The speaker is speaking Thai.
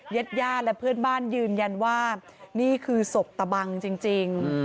เย็ดย่าและเพื่อนบ้านยืนยันว่านี่คือสบตะบังจริง